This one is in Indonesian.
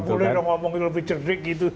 boleh dong ngomongin lebih cerdik gitu